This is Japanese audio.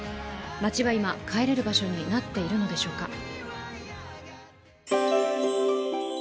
町は今、帰れる場所になっているのでしょうか。